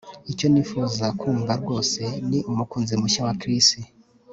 Icyo nifuza kumva rwose ni umukunzi mushya wa Chris